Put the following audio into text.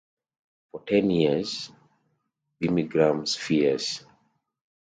For ten years, Birmingham's Fierce!